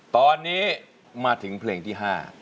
ตอนนี้มาถึงเพลงที่๕